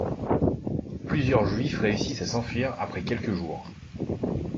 Plusieurs juifs réussissent à s'enfuir après quelques jours.